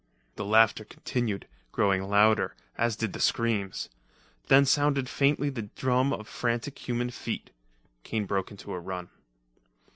The laughter continued, growing louder, as did the screams. Then sounded faintly the drum of frantic human feet. Kane broke into a run.